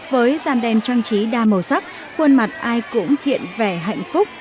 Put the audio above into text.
với gian đèn trang trí đa màu sắc khuôn mặt ai cũng hiện vẻ hạnh phúc